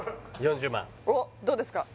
おっどうですか？